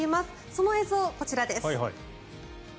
その映像、こちらです。